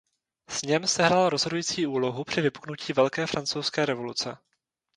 Sněm sehrál rozhodující úlohu při vypuknutí Velké francouzské revoluce.